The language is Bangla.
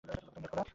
প্রথম গেট খোলা।